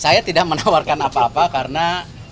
saya tidak menawarkan apa apa karena